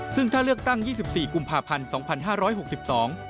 ซึ่งถ้าเลือกตั้ง๒๔กุมภาพันธ์๒๕๖๒